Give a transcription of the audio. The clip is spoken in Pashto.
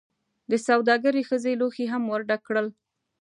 دسوداګرې ښځې لوښي هم ورډک کړل.